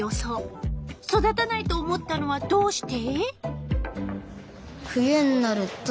育たないと思ったのはどうして？